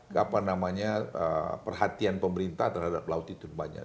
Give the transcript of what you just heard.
tidak ada perhatian pemerintah terhadap laut itu banyak